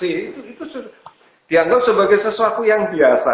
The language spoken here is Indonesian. itu dianggap sebagai sesuatu yang biasa